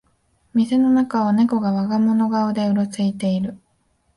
店の中をネコが我が物顔でうろついてる